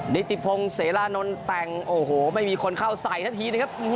นิติพงศ์เสรานนท์แต่งโอ้โหไม่มีคนเข้าใส่สักทีนะครับ